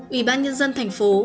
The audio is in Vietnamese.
ủy ban nhân dân thành phố